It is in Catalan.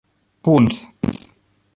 punts